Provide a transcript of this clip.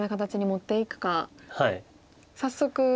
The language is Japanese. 早速。